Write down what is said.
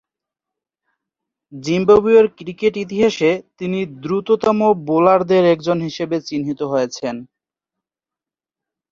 জিম্বাবুয়ের ক্রিকেট ইতিহাসে তিনি দ্রুততম বোলারদের একজন হিসেবে চিহ্নিত হয়েছেন।